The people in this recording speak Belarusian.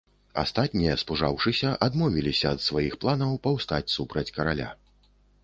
Астатнія, спужаўшыся, адмовіліся ад сваіх планаў паўстаць супраць караля.